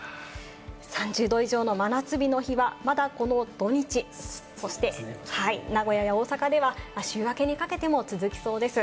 ３０℃以上の真夏日の日は、まだこの土日、そして名古屋や大阪では週明けにかけても続きそうです。